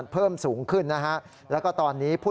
เพิ่มสูงขึ้นนะฮะและตอนนี้